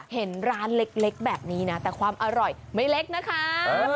เห็นร้านเล็กแบบนี้นะแต่ความอร่อยไม่เล็กนะคะ